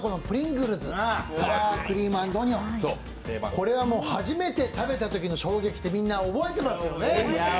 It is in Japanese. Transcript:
これはもう、初めて食べたときの衝撃ってみんな覚えてますよね。